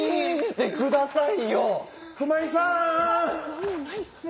何もないっすよ！